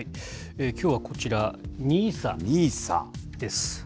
きょうはこちら、ＮＩＳＡです。